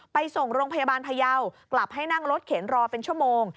ไปส่งโรงพยาบาลพยาวกลับให้นั่งรถเข็นรอเป็นชั่วโมง